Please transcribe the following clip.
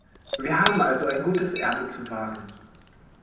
Wir haben also ein gutes Erbe zu wahren.